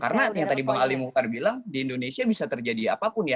karena yang tadi bang ali mukar bilang di indonesia bisa terjadi apapun ya